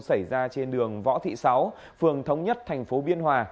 xảy ra trên đường võ thị sáu phường thống nhất thành phố biên hòa